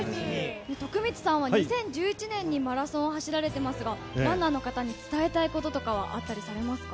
徳光さんは２０１１年にマラソン走られていますが、ランナーの方に伝えたいこととかはあったりされますか？